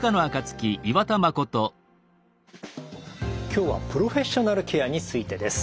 今日はプロフェッショナルケアについてです。